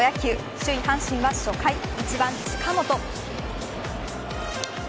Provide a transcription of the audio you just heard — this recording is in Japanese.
首位阪神は初回、１番近本。